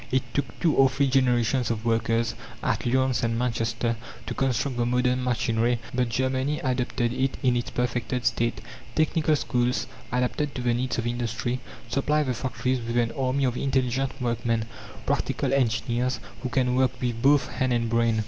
It took two or three generations of workers, at Lyons and Manchester, to construct the modern machinery; but Germany adopted it in its perfected state. Technical schools, adapted to the needs of industry, supply the factories with an army of intelligent workmen practical engineers, who can work with both hand and brain.